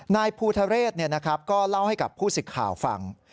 นายภูทะเรศก็เล่าให้กับผู้สิทธิ์ข่าวฟัง